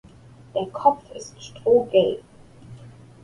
Der Kopf ist strohgelb.